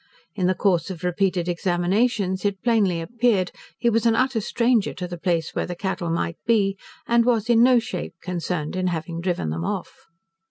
In the course of repeated examinations it plainly appeared, he was an utter stranger to the place where the cattle might be, and was in no shape concerned in having driven them off.